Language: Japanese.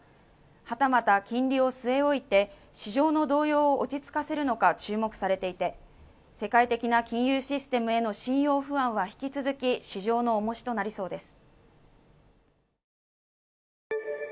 はたまた金利を据え置いて市場の動揺を落ち着かせるのか注目されていて世界的な金融システムへの信用不安は引き続き市場の重しとなりそうです。